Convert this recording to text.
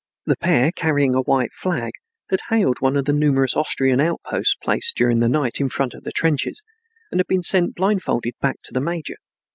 The pair, carrying a white flag, had hailed one of the numerous Austrian outposts placed during the night, in front of the trenches, and had been sent blindfolded back to the major.